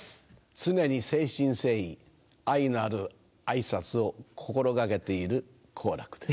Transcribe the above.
常に誠心誠意愛のある挨拶を心掛けている好楽です。